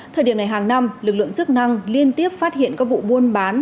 thời điểm này hàng năm lực lượng chức năng liên tiếp phát hiện các vụ buôn bán